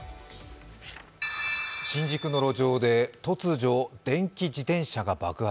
新宿の路上で突如、電動自転車が爆発。